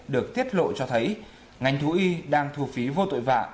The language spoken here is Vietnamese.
được tiết lộ cho thấy ngành thú y đang thu phí vô tội vạ